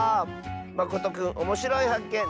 まことくんおもしろいはっけん